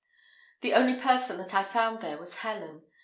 The only person that I found there was Helen.